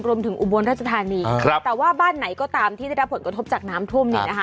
อุบลราชธานีครับแต่ว่าบ้านไหนก็ตามที่ได้รับผลกระทบจากน้ำท่วมเนี่ยนะคะ